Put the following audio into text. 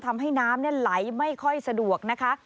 ทำให้น้ำไหลไม่ค่อยสะดวกนะคะ